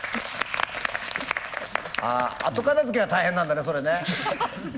後片づけが大変なんだねそれね。